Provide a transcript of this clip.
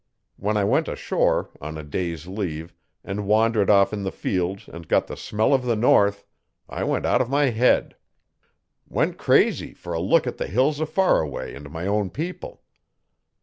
When I went ashore, on a day's leave, and wandered off in the fields and got the smell of the north, I went out of my head went crazy for a look at the hills o' Faraway and my own people.